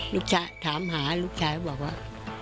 ลูกชายถามหาลูกชายก็บอกว่า